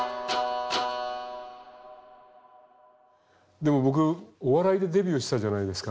でも僕お笑いでデビューしたじゃないですか。